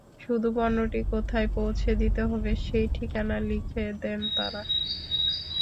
শুধু পণ্যটি কোথায় পৌঁছে দিতে হবে, সেই ঠিকানা লিখে দেন তাঁরা।